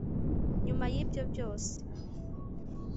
nyuma y'ibyo byose